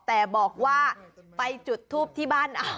แต่บอกว่าไปจุดทูปที่บ้าน